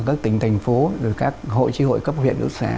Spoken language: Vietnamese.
ở các tỉnh thành phố rồi các hội tri hội cấp huyện hữu xã